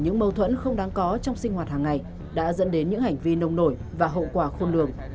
những mâu thuẫn không đáng có trong sinh hoạt hàng ngày đã dẫn đến những hành vi nông nổi và hậu quả khôn lường